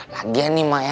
lagian nih emak ya